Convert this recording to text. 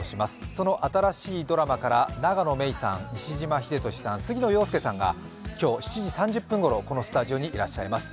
その新しいドラマから永野芽郁さん、西島秀俊さん、杉野遥亮さんが今日、７時３０分ごろこのスタジオにいらっしゃいます。